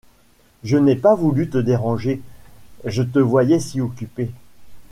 Je n’ai pas voulu te déranger, je te voyais si occupée…